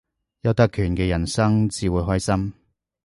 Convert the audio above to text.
有特權嘅人生至會開心